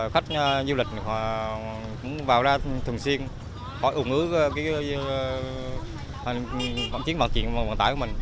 khách du lịch cũng vào ra thường xuyên khỏi ủng ước chuyến vận chuyển vận tải của mình